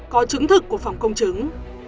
có chứng thực của phòng công chứng